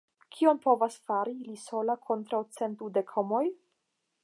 Kion povas fari li sola kontraŭ cent dudek homoj?